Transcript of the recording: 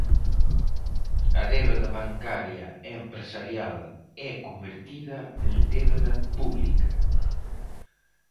A débeda bancaria e empresarial é convertida en débeda pública.